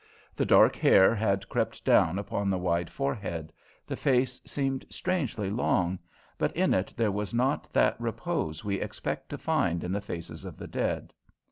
The dark hair had crept down upon the wide forehead; the face seemed strangely long, but in it there was not that repose we expect to find in the faces of the dead.